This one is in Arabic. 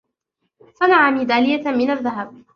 صنع ميدلاية من الذهب.